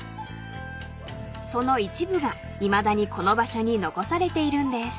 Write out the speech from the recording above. ［その一部がいまだにこの場所に残されているんです］